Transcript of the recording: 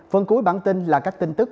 phần cuối bản tin là các tin tức